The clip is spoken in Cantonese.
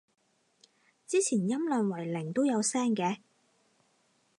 之前音量為零都有聲嘅